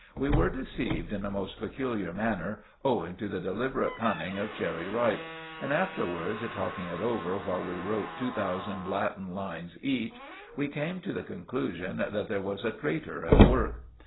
We were deceived in a most peculiar manner, owing to the deliberate cunning of Cherry Ripe; and afterwards, talking it over while we wrote two thousand Latin lines each, we came to the conclusion that there was a traitor at work.